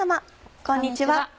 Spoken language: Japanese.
こんにちは。